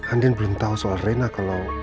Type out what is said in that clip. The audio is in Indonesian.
andien belum tau soal rena kalau